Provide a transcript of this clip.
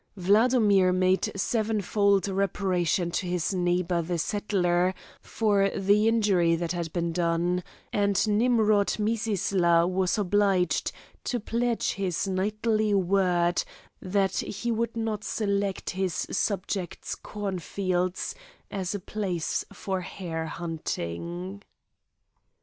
Wladomir made seven fold reparation to his neighbour the settler, for the injury that had been done, and Nimrod Mizisla was obliged to pledge his knightly word that he would not select his subject's corn fields as a place for hare hunting.